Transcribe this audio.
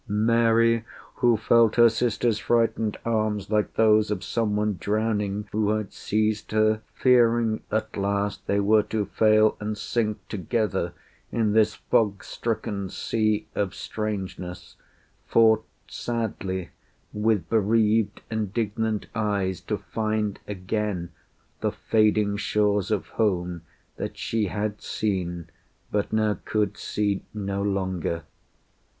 Mary, who felt her sister's frightened arms Like those of someone drowning who had seized her, Fearing at last they were to fail and sink Together in this fog stricken sea of strangeness, Fought sadly, with bereaved indignant eyes, To find again the fading shores of home That she had seen but now could see no longer.